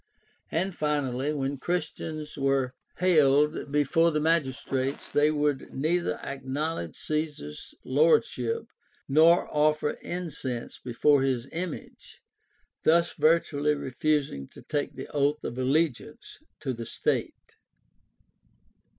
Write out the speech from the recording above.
And, finally, when Christians were haled before the magistrates they would neither acknowledge Caesar's lordship nor offer incense before his image, thus virtually refusing to take the oath of allegiance to the state.